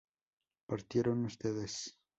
¿Partieron ustedes?